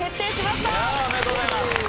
おめでとうございます。